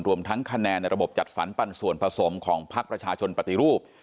รวมทั้งคะแนนในระบบจัดสรรปันส่วนผสมของพักประชาชนปฏิรูป